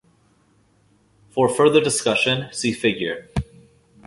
For further discussion, see figurae.